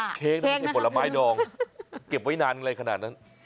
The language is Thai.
องค์ผลมาให้มองเก็บไว้นานเลยขนาดนั้น